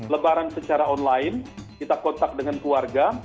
lebaran secara online kita kontak dengan keluarga